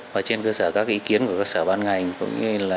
và trên cơ sở các ý kiến của các sở ban ngành